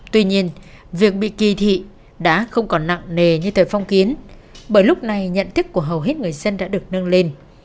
tuy nhiên việc bị kỳ thị đã không còn nặng nề như thời phong kiến bởi lúc này nhận thức của hầu hết người dân đã được nâng lên